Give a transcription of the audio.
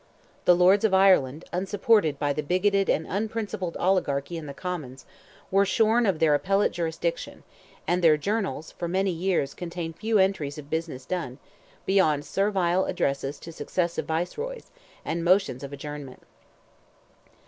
The Lords of Ireland, unsupported by the bigoted and unprincipled oligarchy in the Commons, were shorn of their appellate jurisdiction, and their journals for many years contain few entries of business done, beyond servile addresses to successive Viceroys, and motions of adjournment.